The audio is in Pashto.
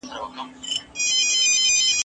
په سل گونو ستا په شان هلته نور خره دي ..